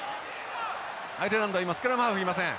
アイルランドは今スクラムハーフがいません。